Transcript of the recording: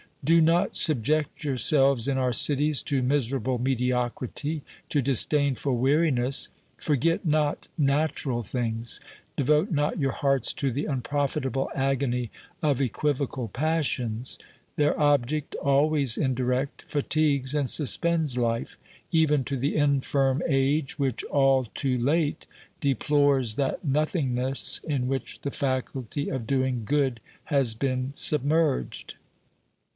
Do not subject yourselves in our cities to miserable mediocrity, to disdainful weariness. Forget not natural things ; devote not your hearts to the unprofitable agony of equivocal passions ; their object, always indirect, fatigues and suspends life, even to the infirm age which all too late deplores that nothingness in which the faculty of doing good has been submerged.